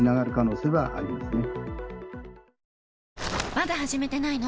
まだ始めてないの？